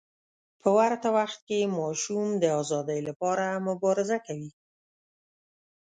په ورته وخت کې ماشوم د ازادۍ لپاره مبارزه کوي.